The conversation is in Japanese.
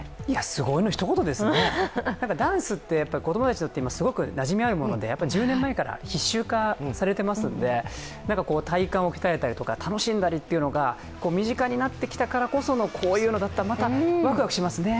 すごいの一言ですね、ダンスってやっぱり子供たちになじみのあるもので１０年前から必修化されていますので体幹を鍛えたりとか楽しんだりというのが身近になってきたからこそのこういうのだったらまたわくわくしますね。